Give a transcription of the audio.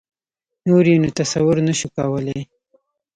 نور یې نو تصور نه شو کولای.